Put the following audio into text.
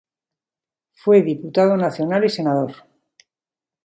Fue diputado nacional y senador.